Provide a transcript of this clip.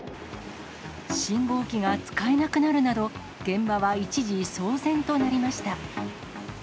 信号機が使えなくなるなど、現場は一時騒然となりました。